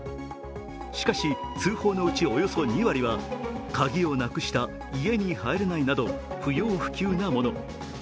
しかし通報のうちおよそ２割は鍵をなくした、家に入れないなど不要不急なもの。